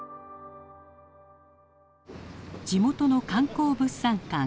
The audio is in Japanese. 地元の観光物産館。